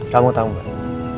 kamu tau gak